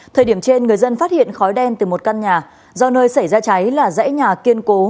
thời điểm trên người dân phát hiện khói đen từ một căn nhà do nơi xảy ra cháy là dãy nhà kiên cố